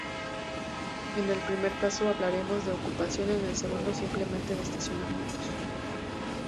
En el primer caso hablaremos de ocupación, en el segundo simplemente de estacionamientos.